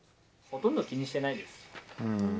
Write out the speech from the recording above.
ほとんど気にしてないです。